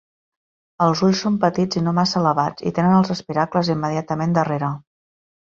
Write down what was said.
Els ulls són petits i no massa elevats, i tenen els espiracles immediatament darrere.